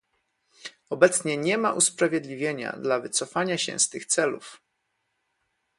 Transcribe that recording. Obecnie nie ma usprawiedliwienia dla wycofania się z tych celów